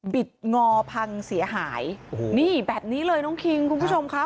งอพังเสียหายโอ้โหนี่แบบนี้เลยน้องคิงคุณผู้ชมค่ะ